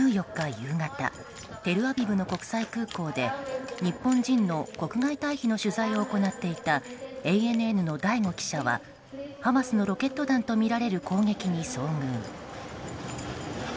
夕方テルアビブの国際空港で日本人の国外退避の取材を行っていた、ＡＮＮの醍醐記者はハマスのロケット弾とみられる攻撃に遭遇。